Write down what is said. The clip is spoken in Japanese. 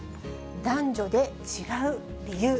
男女で違う理由。